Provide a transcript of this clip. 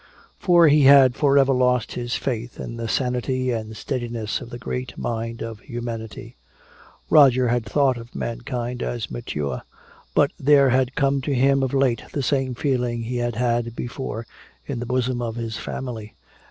For he had forever lost his faith in the sanity and steadiness of the great mind of humanity. Roger had thought of mankind as mature, but there had come to him of late the same feeling he had had before in the bosom of his family.